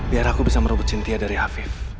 biar aku bisa merebut cynthia dari afif